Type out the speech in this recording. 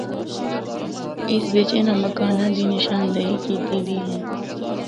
اس بچ اناں مکاناں دی نشاندہی کیتی دی ہے۔